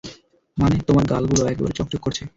মানে, তোমার গালগুলো, একবারে চকচক করছে।